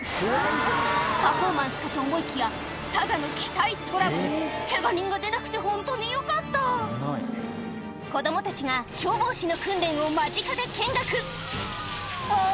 パフォーマンスかと思いきやただの機体トラブルケガ人が出なくてホントによかった子供たちが消防士の訓練を間近で見学おぉ！